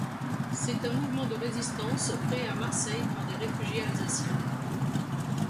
C'est un mouvement de résistance créé à Marseille par des réfugiés alsaciens.